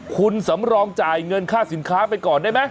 คุณสำรองจ่ายเงินค่าสินค้าไปก่อนได้ไหม